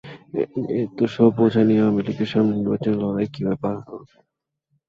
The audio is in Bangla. এত সব বোঝা নিয়ে আওয়ামী লীগ সামনের নির্বাচনের লড়াইয়ে কীভাবে পার পাবে?